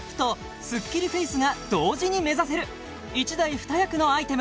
１台２役のアイテム